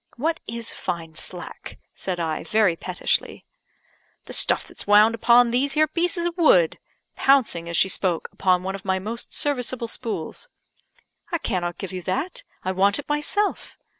"What is fine slack?" said I, very pettishly. "The stuff that's wound upon these 'ere pieces of wood," pouncing as she spoke upon one of my most serviceable spools. "I cannot give you that; I want it myself."